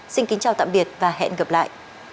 xin kính chào tạm biệt và hẹn gặp lại